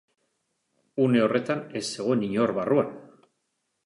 Une horretan, ez zegoen inor barruan.